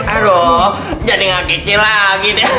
aduh jadi gak kecil lagi deh